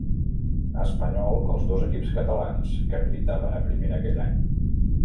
Espanyol els dos equips catalans que militaven a primera aquell any.